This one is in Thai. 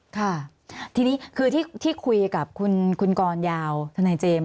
ค่ะทีนี้คือที่คุยกับคุณกรยาวทนายเจมส์